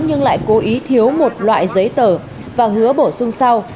nhưng lại cố ý thiếu một loại giấy tờ và hứa bổ sung sau